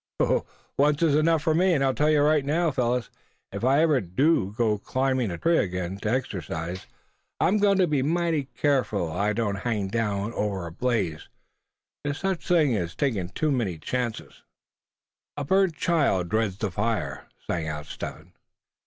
"Once is enough for me; and I tell you right now, fellows, if ever I do climb a tree again, to exercise, I'm going to be mighty careful I don't hang down over a blaze. There's such a thing as takin' too many chances." "A burnt child dreads the fire," sang out Step Hen.